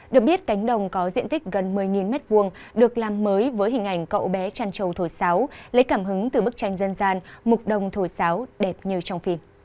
được biết cánh đồng có diện tích gần một mươi m hai được làm mới với hình ảnh cậu bé trăn trầu thổi sáo lấy cảm hứng từ bức tranh dân gian mục đồng thổi sáo đẹp như trong phim